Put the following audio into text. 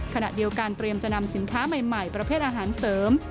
ขณะเดียวกันเตรียมจะนำสินค้าใหม่ประเภทอาหารเสริม